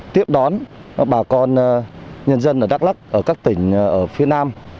tiếp đón bà con nhân dân ở đắk lắk các tỉnh ở phía nam